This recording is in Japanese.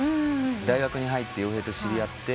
大学に入って洋平と知り合って。